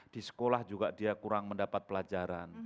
di sekolah juga dia kurang mendapat pelajaran